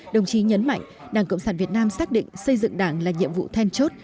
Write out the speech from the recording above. đồng chí nhấn mạnh đảng cộng sản việt nam xác định xây dựng đảng là nhiệm vụ then chốt